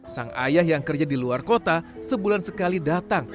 sang ayah yang kerja di luar kota sebulan sekali datang